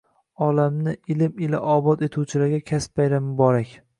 Olamni ilm ila obod etuvchilarga kasb bayrami muborak!